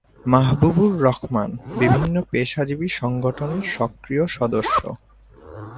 মাহবুবুর রহমান বিভিন্ন পেশাজীবী সংগঠনের সক্রিয় সদস্য।